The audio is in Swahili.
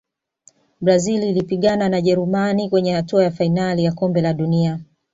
brazil ilipigana na jerumani kwenye hatua ya fainali ya kombe la dunia